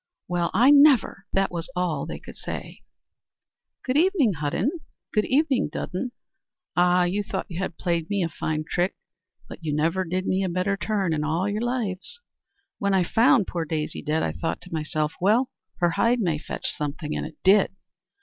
"Well, I never!" that was all they could say. "Good evening, Hudden; good evening Dudden. Ah! you thought you had played me a fine trick, but you never did me a better turn in all your lives When I found poor Daisy dead, I thought to myself, 'Well, her hide may fetch something'; and it did.